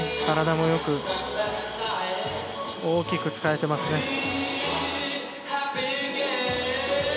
体もよく大きく使えてますね。